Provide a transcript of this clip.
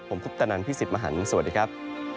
ผมคุปตนันพี่สิทธิ์มหันฯสวัสดีครับ